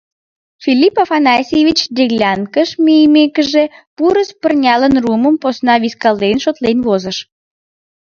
Филипп Афанасьевич, делянкыш мийымекыже, пурыс пырнялан руымым, посна вискален, шотлен возыш.